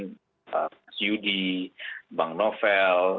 mas yudi bang novel